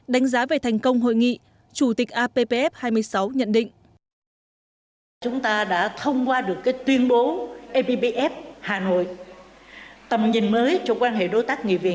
đánh giá về thành công hội nghị